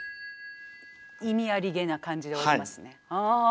意味ありげな感じで終わりますね。